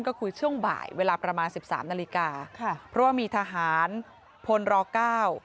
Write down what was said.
ก็คุยช่วงบ่ายเวลาประมาณสิบสามนาฬิกาค่ะเพราะว่ามีทหารพลรเก้า